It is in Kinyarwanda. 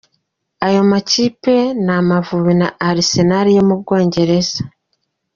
Ayo makipe ni Amavubi na Arsenal yo mu Bwongereza.